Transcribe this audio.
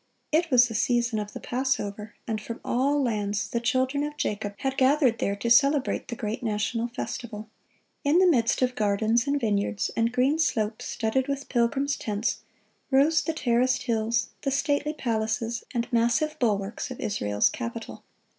It was the season of the Passover, and from all lands the children of Jacob had gathered there to celebrate the great national festival. In the midst of gardens and vineyards, and green slopes studded with pilgrims' tents, rose the terraced hills, the stately palaces, and massive bulwarks of Israel's capital.